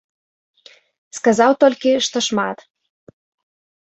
Сказаў толькі, што шмат.